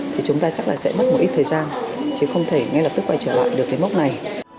thì chúng ta chắc là sẽ mất một ít thời gian chứ không thể ngay lập tức quay trở lại được cái mốc này